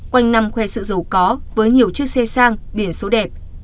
quanh năm khoe sự giàu có với nhiều chiếc xe sang biển số đẹp